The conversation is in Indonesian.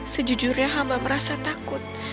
sejujurnya hamba merasa takut